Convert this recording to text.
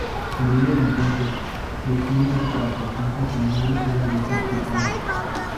El líder entonces, decide ir tras el junto con un grupo de decepticons.